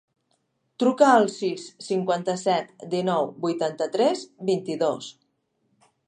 Truca al sis, cinquanta-set, dinou, vuitanta-tres, vint-i-dos.